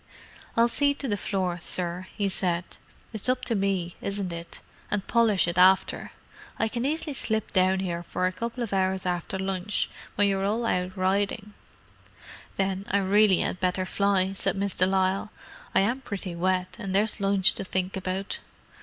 "I'll see to the floor, sir," he said. "It's up to me, isn't it? And polish it after. I can easy slip down 'ere for a couple of hours after lunch, when you're all out ridin'." "Then I really had better fly," said Miss de Lisle. "I am pretty wet, and there's lunch to think about."